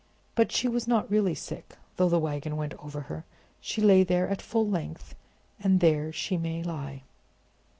But she was not really sick, though the wagon went over her; she lay there at full length, and there she may lie.